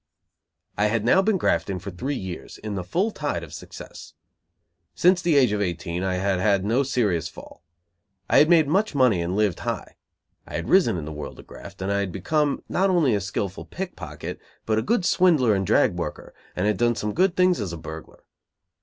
I had now been grafting for three years in the full tide of success. Since the age of eighteen I had had no serious fall. I had made much money and lived high. I had risen in the world of graft, and I had become, not only a skillful pickpocket, but a good swindler and drag worker and had done some good things as a burglar.